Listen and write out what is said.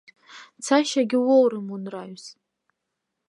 Цашьагьы уоурым унраҩс.